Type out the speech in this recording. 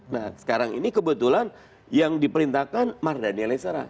nah sekarang ini kebetulan yang diperintahkan mardhani alisara